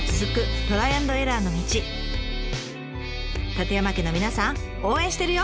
舘山家の皆さん応援してるよ！